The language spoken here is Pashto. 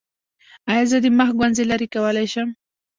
ایا زه د مخ ګونځې لرې کولی شم؟